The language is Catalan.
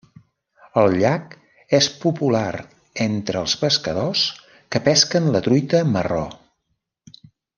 El llac és popular entre els pescadors que pesquen la truita marró.